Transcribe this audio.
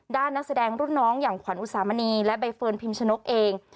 นักแสดงรุ่นน้องอย่างขวัญอุสามณีและใบเฟิร์นพิมชนกเอง